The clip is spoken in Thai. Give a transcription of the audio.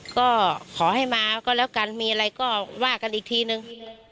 ก็ขอให้มาก็แล้วกันมีอะไรก็ว่ากันอีกทีนึง